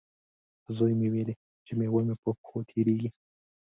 زوی مې وویلې، چې میوه مې په پښو تېرېږي.